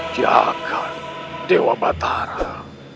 jangan dewa batara